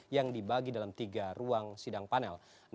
yang dibagi dalam tiga ruang sidang panel